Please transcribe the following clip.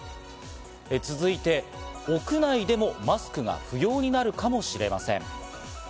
続いて屋内でもマスクが不要になるかもしれません。